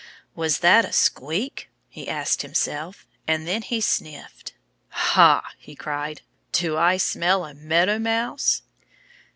"Was that a squeak?" he asked himself. And then he sniffed. "Ha!" he cried. "Do I smell a Meadow Mouse?"